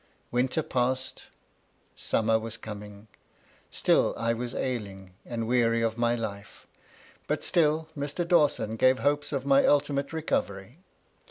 Winter passed, summer was coming, still I was ailing, and weary of my life ; but still Mr. Dawson gave hopes of my ultimate recovery.